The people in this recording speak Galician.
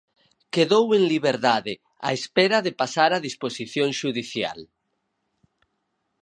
Quedou en liberdade á espera de pasar a disposición xudicial.